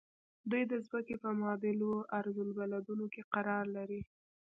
دوی د ځمکې په معتدلو عرض البلدونو کې قرار لري.